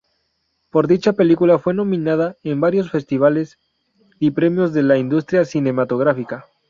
Por dicha película fue nominada en varios festivales y premios de la industria cinematográfica.